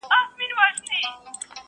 توره پټه کړه نیام کي وار د میني دی راغلی,